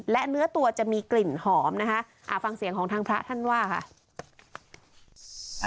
และเนื้อตัวจะมีกลิ่นหอมนะคะฟังเสียงของทางพระท่านว่าค่ะ